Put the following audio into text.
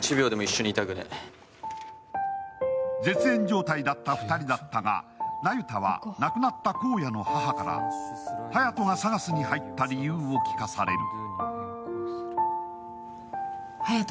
絶縁状態だった２人だったが、那由他は亡くなった功也の母から隼人がサガスに入った理由を聞かされる。